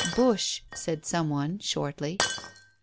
"Bush," said some one shortly.